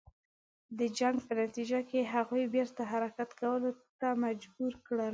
د جنګ په نتیجه کې هغوی بیرته حرکت کولو ته مجبور کړل.